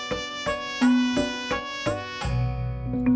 tidak ada yang bisa diberikan